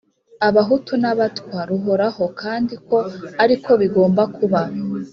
Abahutu n Abatwa ruhoraho kandi ko ari ko bigomba kuba